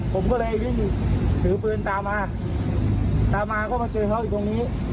ผมเลยยิงถือปืนตามมาเค้ามาเจอเค้าคือตรงนี้